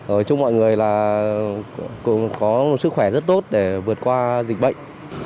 ở trong mọi người là cũng có sức khỏe rất tốt để vượt qua dịch bệnh